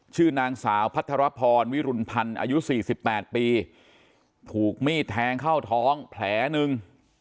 ชื่อนางสาวพัทรพรวิรุณพันธ์อายุ๔๘ปีถูกมีดแทงเข้าท้องแผลหนึ่ง